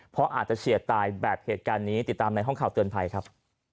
เพราะอาจจะเฉียดตายแบบเหตุการณ์นี้ติดตามในห้องข่าวเตือนภัยครับ